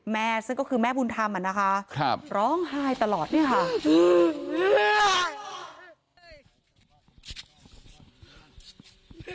แม่ซึ่งก็คือแม่บุญธรรมนะคะร้องไห้ตลอดเนี่ยค่ะครับ